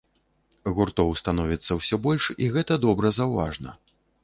Гуртоў становіцца ўсё больш, і гэта добра заўважна.